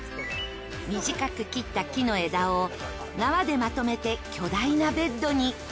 短く切った木の枝を縄でまとめて巨大なベッドに。